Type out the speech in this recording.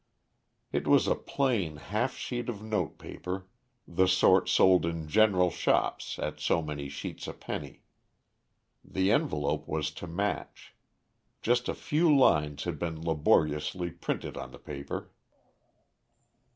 It was a plain half sheet of note paper, the sort sold in general shops at so many sheets a penny. The envelope was to match. Just a few lines had been laboriously printed on the paper.